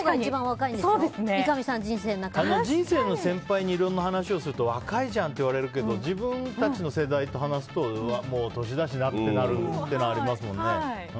人生の先輩にいろんな話をすると若いじゃんって言われるけど自分たちの世代と話すともう年だしなってなるのはありますよね。